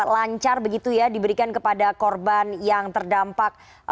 lancar begitu ya diberikan kepada korban yang terdampak